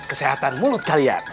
kesehatan mulut kalian